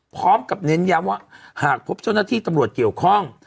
พร้อมกับเน้นย้ำว่าหากพบเจ้าหน้าที่ตำรวจเกี่ยวข้อง